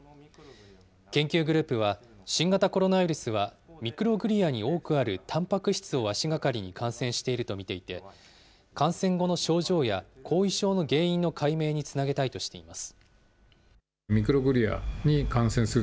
研究グループは、新型コロナウイルスはミクログリアに多くあるたんぱく質を足がかりに感染していると見ていて、感染後の症状や、後遺症の原因の解明につなげたいとしています。